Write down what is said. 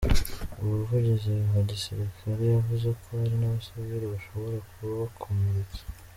Umuvugizi w'igisiriakare yavuze ko hari n'abasivile bashobora kuba bakomeretse.